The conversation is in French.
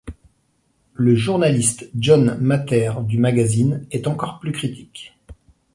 Le journaliste John Mather du magazine ' est encore plus critique.